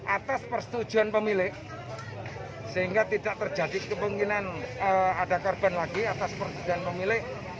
atas persetujuan pemilik sehingga tidak terjadi kemungkinan ada korban lagi atas persetujuan pemilik